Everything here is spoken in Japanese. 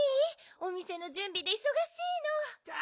おみせのじゅんびでいそがしいの。